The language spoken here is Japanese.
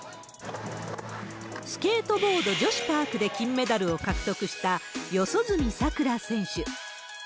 スケートボード女子パークで金メダルを獲得した四十住さくら選手。